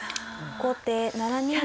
後手７二馬。